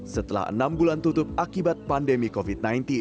setelah enam bulan tutup akibat pandemi covid sembilan belas